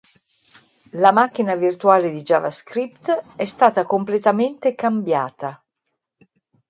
La macchina virtuale di JavaScript è stata completamente cambiata.